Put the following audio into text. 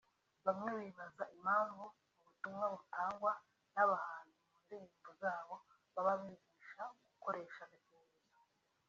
Bamwe bibaza impamvu mu butumwa butangwa n’abahanzi mu ndirimbo zabo baba bigisha gukoresha agakingirizo